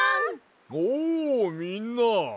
おうみんな。